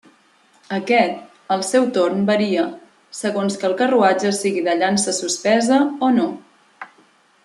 Aquest, al seu torn, varia, segons que el carruatge sigui de llança suspesa o no.